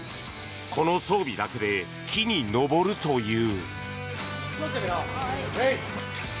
この装備だけで木に登るという。